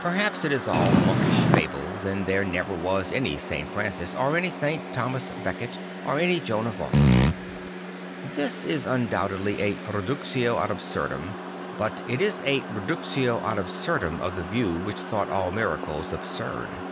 Per haps it is all monkish fables and there never was any St. Francis or any St. Thomas Becket or any Joan of Arc. This is undoubtedly a reductio ad absurdum; but it is a reductio ad absurdum of the view which thought all miracles absurd.